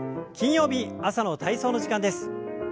金曜日朝の体操の時間です。